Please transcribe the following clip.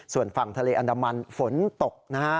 ส่วนฝั่งทะเลอันดามันฝนตกนะฮะ